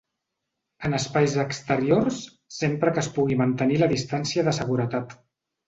En espais exteriors, sempre que es pugui mantenir la distància de seguretat.